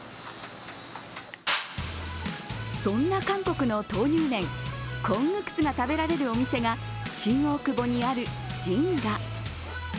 そんな韓国の豆乳麺、コングクスが食べられるお店が新大久保にある辰家。